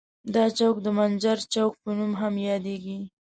دا چوک د منجر چوک په نوم هم یادیږي.